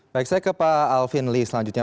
baik saya ke pak alvin lee selanjutnya